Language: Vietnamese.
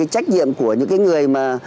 trách nhiệm của những người mà